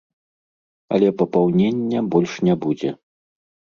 Але папаўнення больш не будзе.